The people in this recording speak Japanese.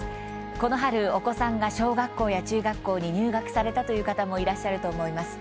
この春、お子さんが小学校や中学校に入学されたという方もいらっしゃると思います。